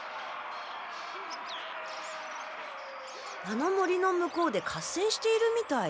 あの森の向こうで合戦しているみたい。